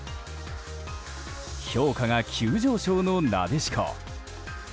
評価が急上昇のなでしこ。